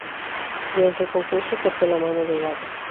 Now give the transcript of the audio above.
Durante el concurso, cortó la mano de Davos.